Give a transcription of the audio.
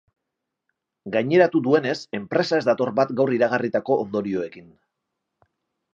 Gaineratu duenez, enpresa ez dator bat gaur iragarritako ondorioekin.